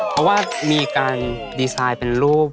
เพราะว่ามีการดีไซน์เป็นรูป